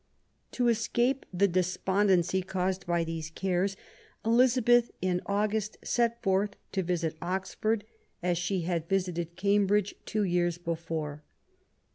To escape the despondency caused by these cares, Elizabeth, in August, set forth to visit Oxford, as she had visited Cambridge two years before.